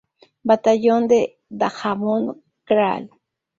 Batallón de Dajabón “Gral.